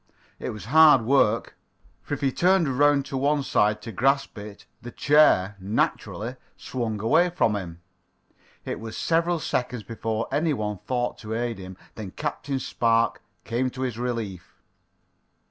It was hard work, for if he turned around to one side to grasp it, the chair, naturally, swung away from him. It was several seconds before any one thought to aid him. Then Captain Spark came to his relief.